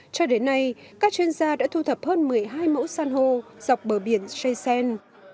cho đến nay các chuyên gia đã thu thập hơn một mươi hai mẫu san hô dọc bờ biển shaysen